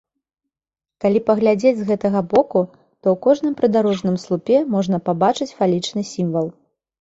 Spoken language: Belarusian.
Калі паглядзець з гэтага боку, то ў кожным прыдарожным слупе можна пабачыць фалічны сімвал.